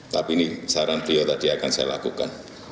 tapi ini saran beliau tadi akan saya lakukan